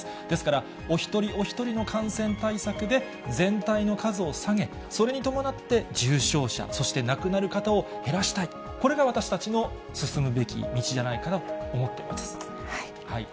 ですから、お一人お一人の感染対策で、全体の数を下げ、それに伴って重症者、そして亡くなる方を減らしたい、これが私たちの進むべき道じゃないかなと思っています。